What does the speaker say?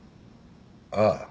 ああ。